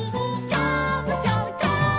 「ジャブジャブジャブ」